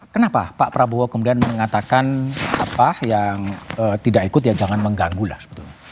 kenapa pak prabowo kemudian mengatakan apa yang tidak ikut ya jangan mengganggu lah sebetulnya